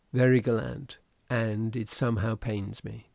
"Very gallant ... and it somehow pains me.